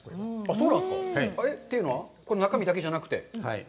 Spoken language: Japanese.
そうなんですか？というのは、中身だけじゃなくて、はい。